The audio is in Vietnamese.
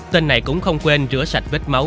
tên này cũng không quên rửa sạch vết máu